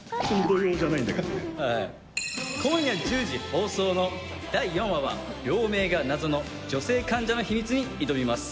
今夜１０時放送の第４話は、病名が謎の女性患者の秘密に挑みます。